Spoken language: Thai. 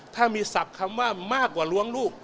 ถ้ามีศัพท์คำว่ามากกว่าล้วงลูก